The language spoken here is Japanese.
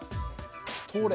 通れ！